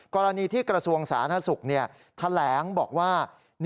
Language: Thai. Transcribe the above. กรณีที่กระทรวงศาลนักศึกษ์แถลงบอกว่า